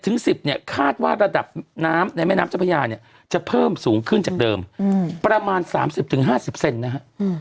๑๐เนี่ยคาดว่าระดับน้ำในแม่น้ำเจ้าพระยาเนี่ยจะเพิ่มสูงขึ้นจากเดิมประมาณ๓๐๕๐เซนนะฮะ